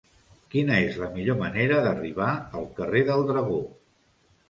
Quina és la millor manera d'arribar al carrer del Dragó?